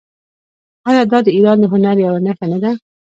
آیا دا د ایران د هنر یوه نښه نه ده؟